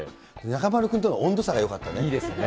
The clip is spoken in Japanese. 中丸君との温度差がよかったです